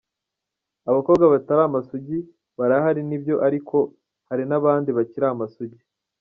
Abakobwa batari amasugi barahari nibyo ariko kandi hari n’abandi bakiri amasugi.